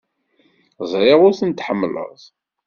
Ẓriɣ ur ten-tḥemmleḍ.